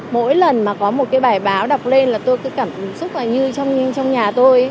mỗi lần mà có một cái bài báo đọc lên là tôi cứ cảm xúc là như trong nhà tôi